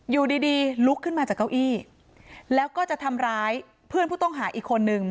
อยู่ดีดีลุกขึ้นมาจากเก้าอี้แล้วก็จะทำร้ายเพื่อนผู้ต้องหาอีกคนนึง